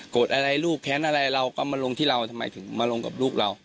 อะไรลูกแค้นอะไรเราก็มาลงที่เราทำไมถึงมาลงกับลูกเรา